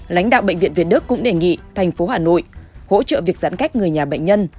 lãnh đạo bệnh viện việt đức cũng đề nghị thành phố hà nội hỗ trợ việc giãn cách người nhà bệnh nhân